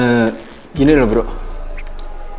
gue tuh dari tadi cuma penasaran aja